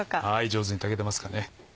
上手に炊けてますかね。